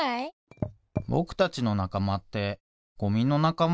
ぼくたちのなかまってごみのなかま？